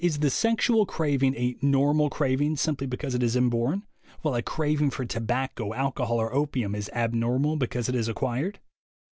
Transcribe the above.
Is the sexual craving a "normal" craving simply because it is inborn, while a craving for tobacco, alcohol or opium is abnormal because it is acquired?